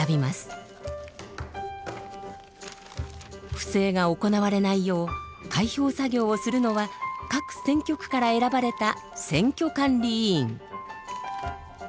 不正が行われないよう開票作業をするのは各選挙区から選ばれた選挙管理委員。